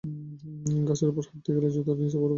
ঘাসের ওপর হাঁটতে গেলে জুতার নিচে বরফ ভাঙে মচমচ শব্দ তোলে।